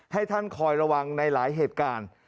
ให้ท่านคอยระวังในหลายเหตุการณ์